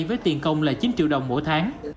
với tiền công là chín triệu đồng mỗi tháng